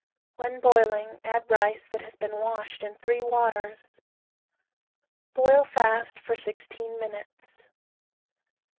When boiling add rice that has been washed in three waters. Boil fast for sixteen minutes.